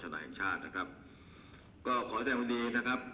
เข้าราชนัยชาตินะครับก็ขอแทนวันนี้นะครับ